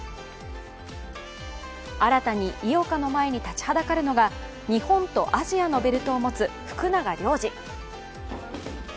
新たに井岡の前に立ちはだかるのが日本とアジアのベルトを持つ福永亮次。